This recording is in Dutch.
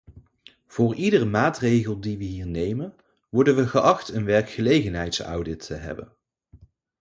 Voor iedere maatregel die we hier nemen, worden we geacht een werkgelegenheidsaudit te hebben.